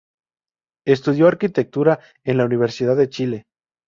Estudió arquitectura en la Universidad de Chile.